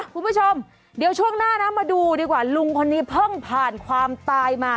คุณผู้ชมเดี๋ยวช่วงหน้านะมาดูดีกว่าลุงคนนี้เพิ่งผ่านความตายมา